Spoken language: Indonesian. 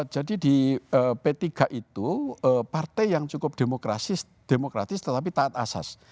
jadi di p tiga itu partai yang cukup demokratis tetapi taat asas